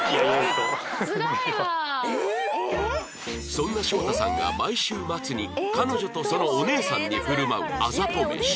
そんなしょうたさんが毎週末に彼女とそのお姉さんに振る舞うあざと飯